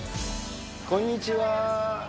こんにちは。